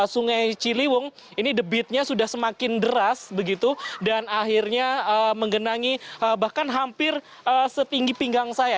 sungai ciliwung ini debitnya sudah semakin deras begitu dan akhirnya menggenangi bahkan hampir setinggi pinggang saya